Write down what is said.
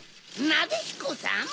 なでしこさん？